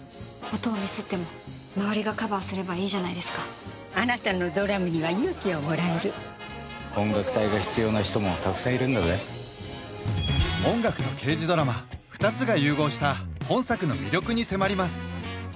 音をミスっても周りがカバーすればいいじゃないですか・あなたのドラムには勇気をもらえる・音楽隊が必要な人もたくさんいるんだぜ音楽と刑事ドラマ２つが融合した本作の魅力に迫ります